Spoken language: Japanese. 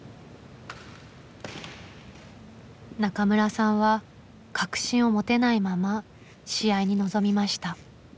中村さんは確信を持てないまま試合に臨みました。